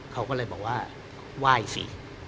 เขาก็เลยบอกว่าไหว้สิ